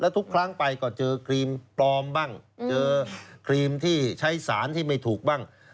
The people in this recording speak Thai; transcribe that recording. ทุกครั้งไปก็เจอครีมปลอมบ้างเจอครีมที่ใช้สารที่ไม่ถูกบ้าง